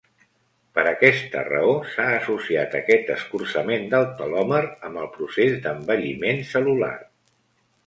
Per aquesta raó s'ha associat aquest escurçament del telòmer amb el procés d'envelliment cel·lular.